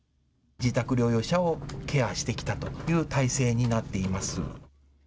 自宅療養者をケアしてきたという体制になっています。